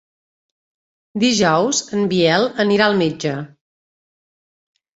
Dijous en Biel anirà al metge.